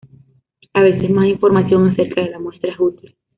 A veces más información acerca de la muestra es útil.